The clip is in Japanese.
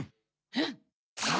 うん！